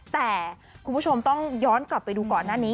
แต่คุณผู้ชมต้องย้อนกลับไปดูก่อนหน้านี้